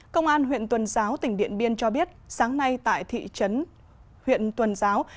công an huyện tuần giáo tỉnh điện biên cho biết sáng nay tại thị trấn huyện tuần giáo